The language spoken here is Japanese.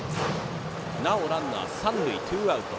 なおランナー、三塁でツーアウト。